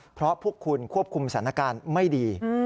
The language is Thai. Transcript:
เพราะพวกคุณควบคุมสถานการณ์ไม่ดี